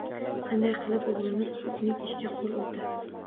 Qanday qilib o`g`limiz bu xunuk ishga qo`l urdi